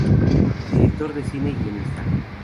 Director de cine y guionista.